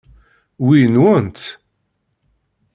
Wi nwent?